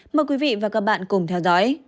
mời quý vị và các bạn cùng theo dõi